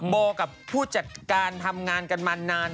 โบกับผู้จัดการทำงานกันมานาน